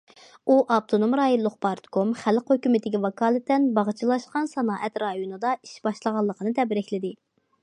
ئۇ ئاپتونوم رايونلۇق پارتكوم، خەلق ھۆكۈمىتىگە ۋاكالىتەن باغچىلاشقان سانائەت رايونىدا ئىش باشلانغانلىقىنى تەبرىكلىدى.